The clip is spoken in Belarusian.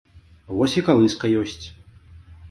Вось і калыска ёсць!